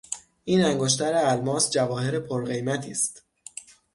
این انگشتر الماس، جواهر پر قیمتی است.